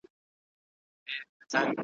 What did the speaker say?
خو د خولې له خلاصېدو سره خطا سو `